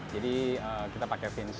jadi kita pakai fins